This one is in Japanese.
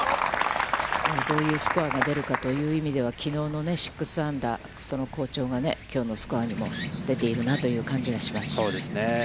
どういうスコアが出るかという意味では、きのうの６アンダー、その好調がね、きょうのスコアにも出ているなという感じがします。